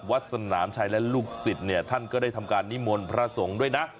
วัดสนามชัยและลูกศิษย์เนี่ยท่านก็ได้ทำการนิมนต์พระสงฆ์ด้วยนะ